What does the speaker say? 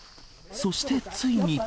そしてついに。